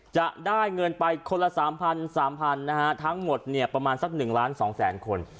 จะได้เงินไปคนละ๓๐๐๐บาททั้งหมดประมาณสัก๑ล้าน๒แสนคน